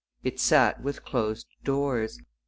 It sat with closed doors.